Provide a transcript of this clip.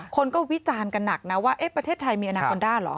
คนก็วิจารณ์กันหนักนะว่าประเทศไทยมีอนาคอนด้าเหรอ